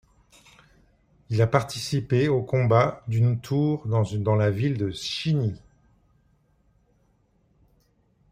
Il a participé aux combats d'une tour dans la ville de Shinix.